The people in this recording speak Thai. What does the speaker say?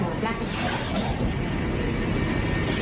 ตำรวจบอกว่าแค่ผลักไม่ถือว่าเป็นการทำร้ายร่างกาย